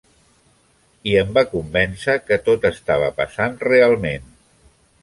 I em va convèncer que tot estava passant realment.